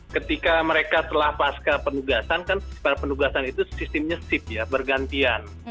ketika mereka setelah pasca penugasan kan para penugasan itu sistemnya sip ya bergantian